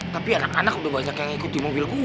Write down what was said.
tapi anak anak udah banyak yang ikut di mobilku